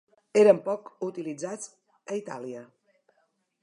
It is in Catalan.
Eren poc utilitzats a Itàlia.